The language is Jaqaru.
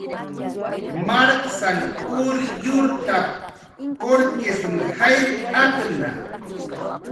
"Marksan ur yurtap"" urkistn jayrt'atna "